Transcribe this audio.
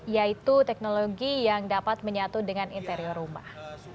yaitu teknologi yang dapat menyatu dengan interior rumah